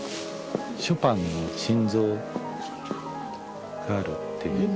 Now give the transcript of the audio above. ショパンの心臓があるっていう。